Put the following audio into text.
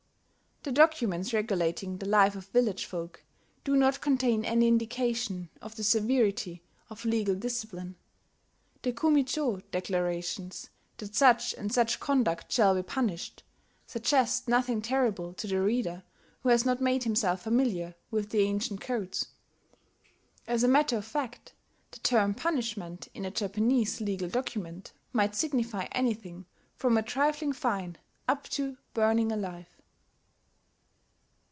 The documents regulating the life of village folk do not contain any indication of the severity of legal discipline: the Kumi cho declarations that such and such conduct "shall be punished" suggest nothing terrible to the reader who has not made himself familiar with the ancient codes. As a matter of fact the term "punishment" in a Japanese legal document might, signify anything from a trifling fine up to burning alive....